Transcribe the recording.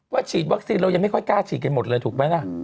ฉีดวัคซีนเรายังไม่ค่อยกล้าฉีดกันหมดเลยถูกไหมล่ะ